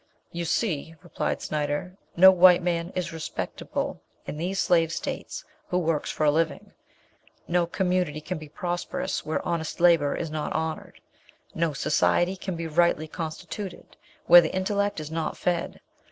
"You see," replied Snyder, "no white man is respectable in these slave states who works for a living. No community can be prosperous, where honest labour is not honoured. No society can be rightly constituted, where the intellect is not fed.